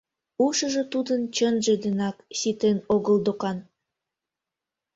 Ушыжо тудын чынже денак ситен огыл докан.